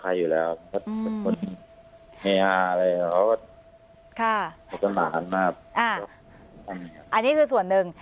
ใครอยู่แล้วอืมเป็นคนอะไรเขาค่ะอันนี้คือส่วนหนึ่ง